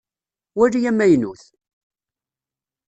Wali amaynut!